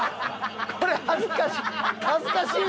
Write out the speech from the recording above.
これ恥ずかしい。